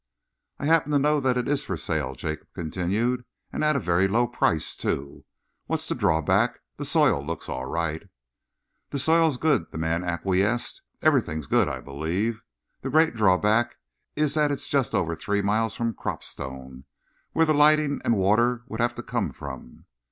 "I happen to know that it's for sale," Jacob continued, "and at a very low price, too. What's the drawback? The soil looks all right." "The soil's good," the young man acquiesced. "Everything's good, I believe. The great drawback is that it's just over three miles from Cropstone, where the lighting and water would have to come from."